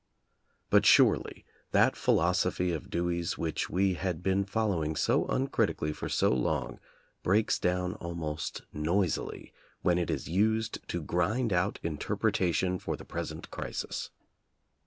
But surely that philosophy of Dewey's which we had been following so uncrit ically for so long, breaks down almost noisily when it is used to grind out interpretation for the present crisis.